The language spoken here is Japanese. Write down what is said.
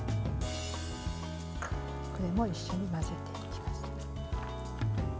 これも一緒に混ぜていきます。